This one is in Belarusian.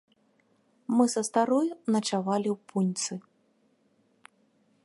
Мы з старою начавалі ў пуньцы.